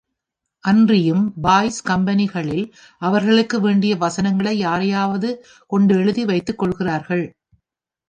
அன்றியும் பாய்ஸ் கம்பெனிகளில், அவர்களுக்கு வேண்டிய வசனங்களை யாரையாவது கொண்டு எழுதி வைத்துக் கொள்ளுகிறார்கள்.